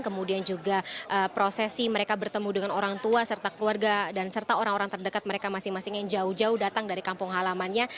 kemudian juga prosesi mereka bertemu dengan orang tua serta keluarga dan serta orang orang terdekat mereka masing masing yang jauh jauh datang dari kampung halamannya